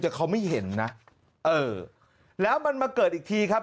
แต่เขาไม่เห็นนะเออแล้วมันมาเกิดอีกทีครับ